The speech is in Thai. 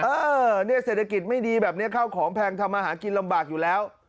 เออเนี่ยเศรษฐกิจไม่ดีแบบนี้ข้าวของแพงทำมาหากินลำบากอยู่แล้ว